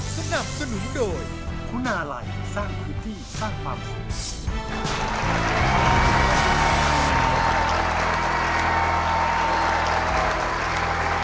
สนับสนุนโดยคุณาลัยสร้างพื้นที่สร้างความสุขชีวิต